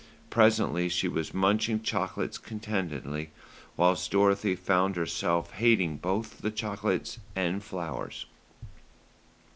Presently she was munching chocolates contentedly, whilst Dorothy found herself hating both the chocolates and flowers.